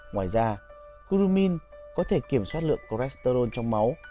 ngoài ra hurumin có thể kiểm soát lượng cholesterol trong máu